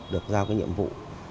được giao cái nhiệm vụ